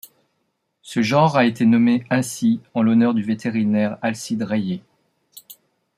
Ce genre a été nommé ainsi en l'honneur du vétérinaire Alcide Railliet.